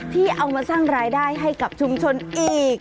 ที่เอามาสร้างรายได้ให้กับชุมชนอีก